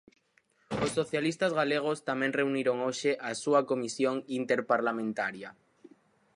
Os socialistas galegos tamén reuniron hoxe a súa Comisión Interparlamentaria.